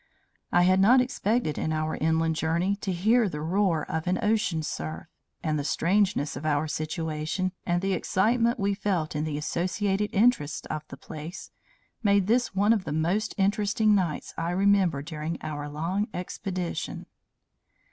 I had not expected in our inland journey to hear the roar of an ocean surf; and the strangeness of our situation, and the excitement we felt in the associated interests of the place, made this one of the most interesting nights I remember during our long expedition.